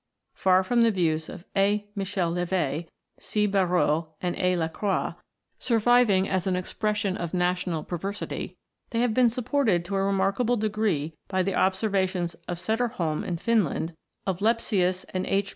Far from the views of A. Michel LeVy, C. Barrois, and A. Lacroix, surviving as an expression of national perversity, they have been supported to a remarkable degree by the observations of Sederholm in Finland, of Lepsius and H.